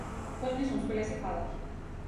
ქვეყნის უმსხვილესი ქალაქი.